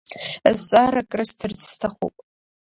Зҵаарак рысҭарц сҭахуп.